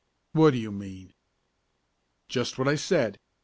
"What do you mean?" "Just what I said.